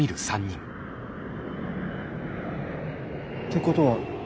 てことは。